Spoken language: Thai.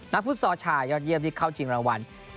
ฟุตซอลชายยอดเยี่ยมที่เข้าชิงรางวัล